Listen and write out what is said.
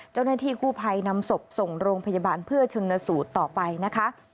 เจ้าหน้าที่กู้ภัยนำศพส่งโรงพยาบาลเพื่อชนสูตรต่อไปนะคะ